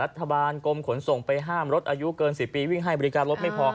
กรมขนส่งไปห้ามรถอายุเกิน๑๐ปีวิ่งให้บริการรถไม่พอ